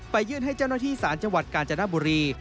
ยื่นให้เจ้าหน้าที่ศาลจังหวัดกาญจนบุรี